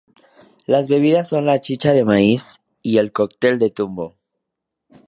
Las bebidas son la chicha de maíz y el cóctel de tumbo.